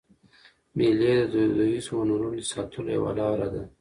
مېلې د دودیزو هنرونو د ساتلو یوه لاره ده.